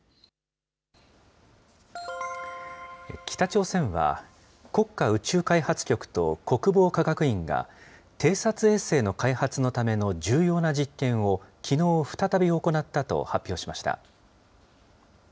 北朝鮮は、国家宇宙開発局と国防科学院が、偵察衛星の開発のための重要な実験を、きのう再び行ったと発表しました。